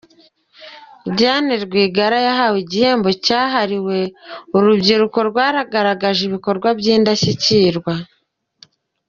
Diane Rwigara yahawe igihembo cyahariwe urubyiruko rwagaragaje ibikorwa by’indashyikirwa.